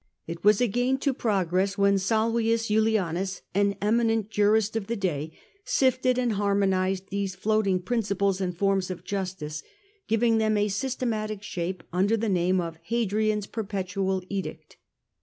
It was a gain to progress when Salvius Julianus, an eminent jurist of the day, sifted and harmonized these floating principles and forms of justice, giving them a systematic shape under the name of Hadrian^s 'perpetual edict.